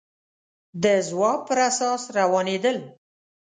د ځواب پر اساس روانېدل